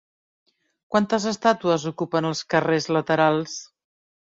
Quantes estàtues ocupen els carrers laterals?